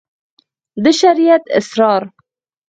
د شريعت اسرار